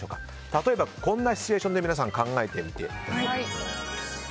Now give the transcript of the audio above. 例えばこんなシチュエーションで考えてみてください。